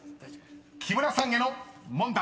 ［木村さんへの問題］